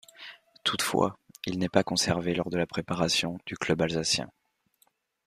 Toutefois, il n'est pas conservé lors de la préparation du club alsacien.